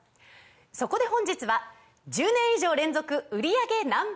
そこで本日は１０年以上連続売り上げＮｏ．１